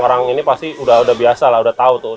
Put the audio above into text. orang ini pasti udah biasa lah udah tau tuh